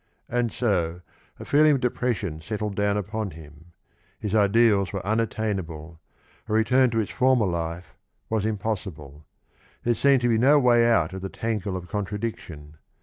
And so a feeling of depression settled down upon him; his ideals were unattainable; a return to his former life vvas impossible. There seemed to be no way out of the tangle of contradiction.